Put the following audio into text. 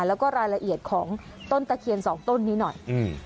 แล้วก็รายละเอียดของต้นตะเคียนสองต้นนี้หน่อยอืม